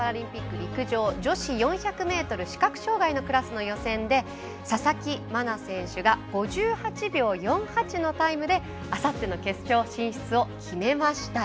陸上、女子４００ｍ視覚障がいのクラスの予選で佐々木真菜選手が５８秒４８のタイムであさっての決勝進出を決めました。